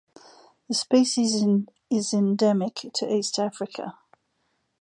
The species is endemic to East Africa.